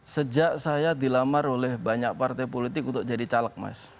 sejak saya dilamar oleh banyak partai politik untuk jadi caleg mas